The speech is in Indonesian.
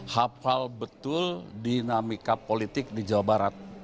hafal betul dinamika politik di jawa barat